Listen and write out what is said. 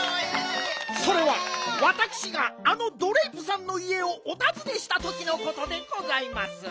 それはわたくしがあのドレープさんのいえをおたずねしたときのことでございます。